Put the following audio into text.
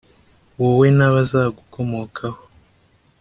wowe n’abazagukomokaho,